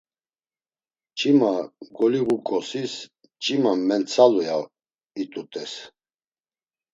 Mç̌ima goliğuǩosis “Mç̌ima mentsalu” ya it̆ut̆es.